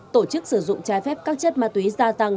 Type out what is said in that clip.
tổ chức sử dụng trái phép các chất ma túy gia tăng